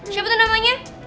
siapa tuh namanya